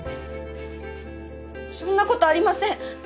そんなことありません。